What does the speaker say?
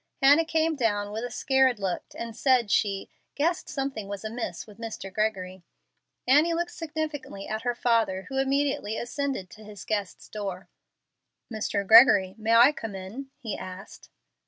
Hannah came down with a scared look and said she "guessed something was amiss with Mr. Gregory." Annie looked significantly at her father, who immediately ascended to his guest's door. "Mr. Gregory, may I come in?" he asked.